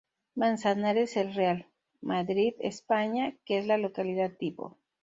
Manzanares el Real, Madrid, España, que es la localidad tipo.